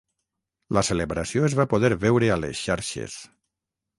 La celebració es va poder veure a les xarxes